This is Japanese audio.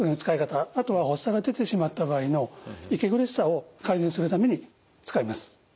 あとは発作が出てしまった場合の息苦しさを改善するために使います。